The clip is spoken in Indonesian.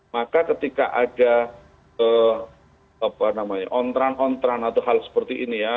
maka ketika ada onteran onteran atau hal seperti ini ya